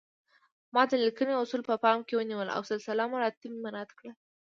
ما د لیکنې اصول په پام کې ونیول او سلسله مراتب مې مراعات کړل